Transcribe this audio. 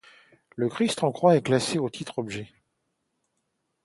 Le Christ en Croix est classé au titre objet.